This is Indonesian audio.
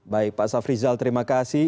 baik pak safrizal terima kasih